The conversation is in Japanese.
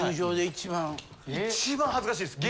一番恥ずかしいです。